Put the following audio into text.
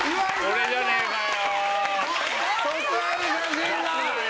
俺じゃねえかよ！